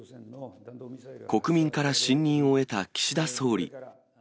国民から信任を得た岸田総理。